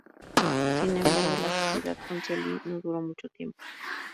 Sin embargo la sociedad con Selby no duró mucho tiempo.